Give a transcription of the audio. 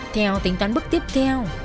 theo tính toán bức tiếp theo